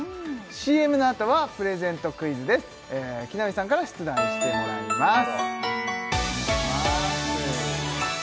ＣＭのあとはプレゼントクイズです木南さんから出題してもらいます